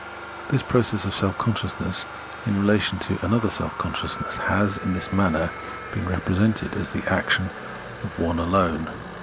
This process of self consciousness in relation to another self consciousness has in this manner been represented as the action of one alone.